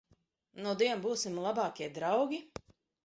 Nudien būsim labākie draugi?